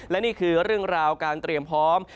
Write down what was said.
และนี่คือเรื่องราวการเตรียมพร้อม